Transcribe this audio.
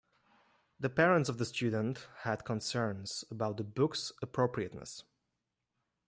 The parents of the student had concerns about the book's appropriateness.